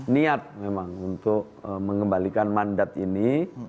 niat memang untuk mengembalikan mandat ini